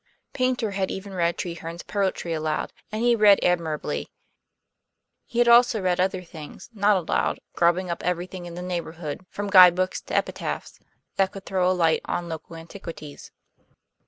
Paynter had even read Treherne's poetry aloud, and he read admirably; he had also read other things, not aloud, grubbing up everything in the neighborhood, from guidebooks to epitaphs, that could throw a light on local antiquities.